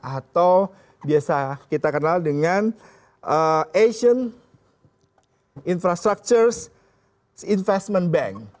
atau biasa kita kenal dengan asian infrastructure investment bank